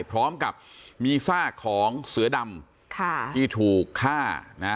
พร้อมกับมีซากของเสือดำที่ถูกฆ่านะ